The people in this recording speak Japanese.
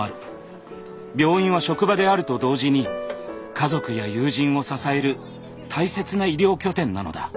病院は職場であると同時に家族や友人を支える大切な医療拠点なのだ。